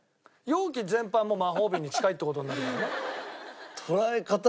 容器全般も魔法瓶に近いって事になるからね。